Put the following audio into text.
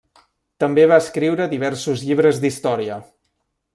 També va escriure diversos llibres d'història.